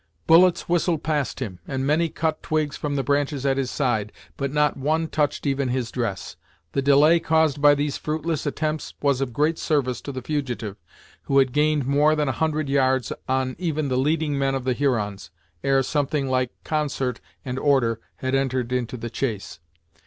Bullets whistled past him, and many cut twigs from the branches at his side, but not one touched even his dress. The delay caused by these fruitless attempts was of great service to the fugitive, who had gained more than a hundred yards on even the leading men of the Hurons, ere something like concert and order had entered into the chase.